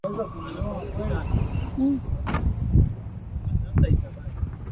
anaishi kwa sababu ya shamba Msanii Nikki wa pili amekuwa akizungumza mara kwa